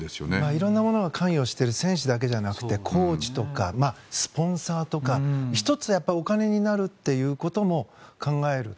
色々なものが関与しているる選手だけじゃんじなくてコーチとかスポンサーとか１つ、お金になるということも考える。